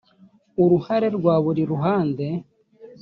uruhare rwa buri ruhande